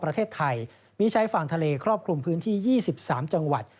ประเทศไทยมีชายฝั่งทะเลครอบคลุมพื้นที่๒๓จังหวัด